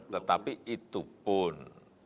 tetapi itu pun